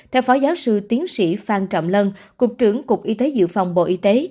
theo phó giáo sư tiến sĩ phan trọng lân cục trưởng cục y tế dự phòng bộ y tế